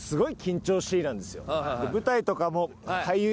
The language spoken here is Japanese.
舞台とかも。